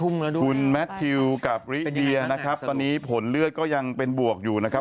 คุณแมททิวกับริเดียนะครับตอนนี้ผลเลือดก็ยังเป็นบวกอยู่นะครับ